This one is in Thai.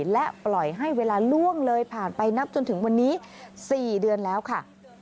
และปล่อยให้เวลาล่วงเลยผ่านไปนับจนถึงวันนี้๔เดือนแล้วค่ะ